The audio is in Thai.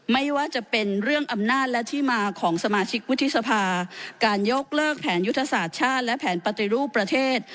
ไม่ว่าจะเป็นเรื่องอำนาจและที่มาของสมาชิกวุฒิสภาการยกเลิกแผนยุทธศาสตร์ชาติและแผนปฏิรูปประเทศ